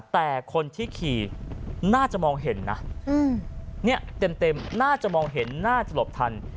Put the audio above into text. แต่คนที่ขี่น่าจะมองเห็นนะเนี่ยเต็มน่าจะมองเห็นน่าจะหลบทัน